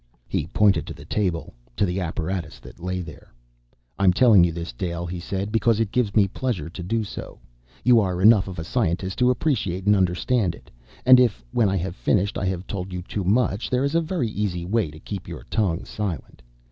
He pointed to the table, to the apparatus that lay there. "I'm telling you this, Dale," he said, "because it gives me pleasure to do so. You are enough of a scientist to appreciate and understand it. And if, when I have finished, I have told you too much, there is a very easy way to keep your tongue silent.